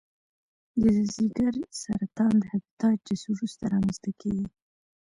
د ځګر سرطان د هپاتایتس وروسته رامنځته کېږي.